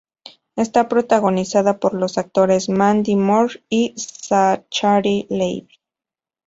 Está protagonizada por los actores Mandy Moore y Zachary Levi.